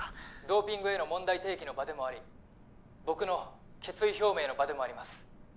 ドーピングへの問題提起の場でもあり僕の決意表明の場でもあります